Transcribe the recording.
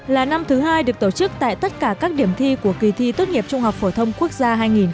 là năm thứ hai được tổ chức tại tất cả các điểm thi của kỳ thi tất nghiệp trung học phổ thông quốc gia